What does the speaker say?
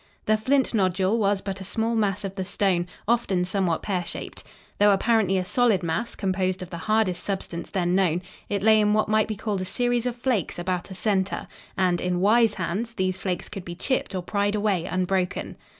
The flint nodule was but a small mass of the stone, often somewhat pear shaped. Though apparently a solid mass, composed of the hardest substance then known, it lay in what might be called a series of flakes about a center, and, in wise hands, these flakes could be chipped or pried away unbroken.